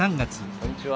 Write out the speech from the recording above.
こんにちは。